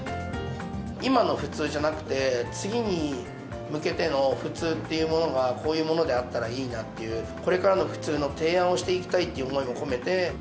今の普通じゃなくて、次に向けての普通というものが、こういうものであったらいいなっていう、これからの普通の提案をしていきたいという思いも込めて。